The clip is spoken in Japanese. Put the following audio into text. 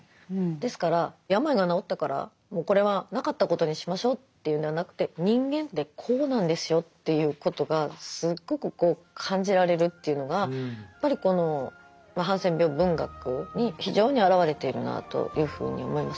ですから「病が治ったからもうこれはなかったことにしましょう」というんではなくて「人間ってこうなんですよ」っていうことがすっごく感じられるというのがやっぱりこのハンセン病文学に非常にあらわれているなというふうに思います。